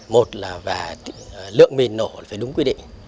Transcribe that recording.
một là lượng miền nổ phải đúng quy định